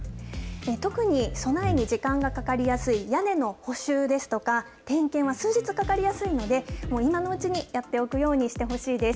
特に備えに時間がかかりやすい屋根の補修ですとか、点検は数日かかりやすいので、今のうちに、やっておくようにしてほしいです。